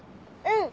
うん。